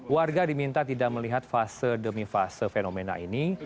warga diminta tidak melihat fase demi fase fenomena ini